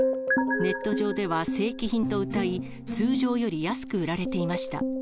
ネット上では正規品とうたい、通常より安く売られていました。